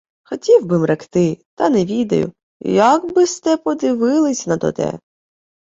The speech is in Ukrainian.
— Хотів би-м ректи, та не відаю, як би-сте подивилися на тоте...